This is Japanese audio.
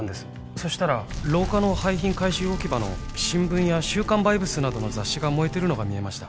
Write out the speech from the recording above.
そしたら廊下の廃品回収置き場の新聞や週刊バイブスなどの雑誌が燃えてるのが見えました